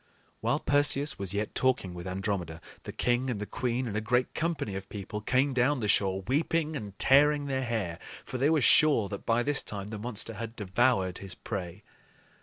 While Perseus was yet talking with Andromeda, the king and the queen and a great company of people came down the shore, weeping and tearing their hair; for they were sure that by this time the monster had devoured his prey.